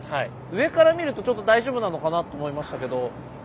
上から見るとちょっと大丈夫なのかなって思いましたけど。